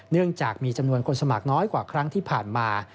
เนื่องจากมีจำนวนคนสมัครน้อยกว่าครั้งที่ผ่านมา